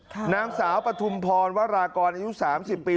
ค่ะหน้าสาวปฐุมพรวรลากรยูนหลุด๓๐ปี